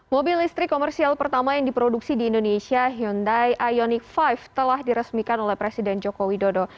mobil listrik komersial pertama yang diproduksi di indonesia hyundai ioniq lima telah diresmikan oleh presiden joko widodo